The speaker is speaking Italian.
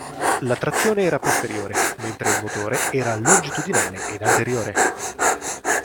La trazione era posteriore, mentre il motore era longitudinale ed anteriore.